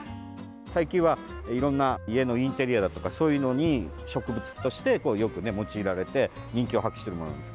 最近はいろんな家のインテリアだとかそういうのに植物としてよく用いられて人気を博しているものです。